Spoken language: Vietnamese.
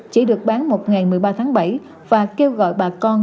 chỉ được bán một ngày một mươi ba tháng bảy và kêu gọi bà con